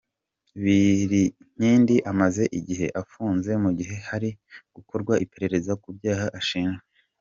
Birinkindi amaze igihe afunze mu gihe hari gukorwa iperereza ku byaha ashinjwa.